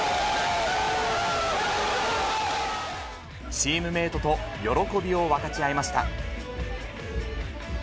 チームメートと喜びを分かち合いました。